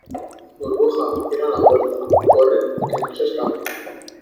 burbuja, cierra la puerta. corre . que no se escape .